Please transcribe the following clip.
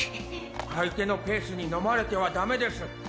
相手のペースにのまれてはダメです。